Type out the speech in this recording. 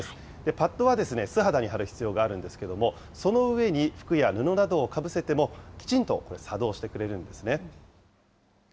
パッドは、素肌に貼る必要があるんですけれども、その上に服や布などをかぶせても、きちんと作動してくれるんですね。